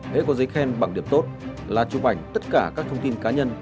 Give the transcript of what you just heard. lễ có giấy khen bằng điểm tốt là chụp ảnh tất cả các thông tin cá nhân